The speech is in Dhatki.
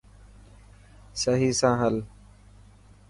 سهي سان هل.